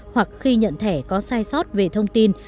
hoặc khi nhận thẻ có sai sót về thông tin